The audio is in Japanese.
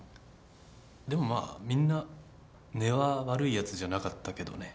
でもまあみんな根は悪いやつじゃなかったけどね。